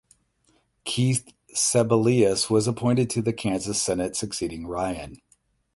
Keith Sebelius was appointed to the Kansas Senate succeeding Ryan.